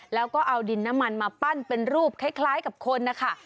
แล้วก็เอาดินน้ำมันมาปั้นเป็นรูปคล้ายกับคนนะคะ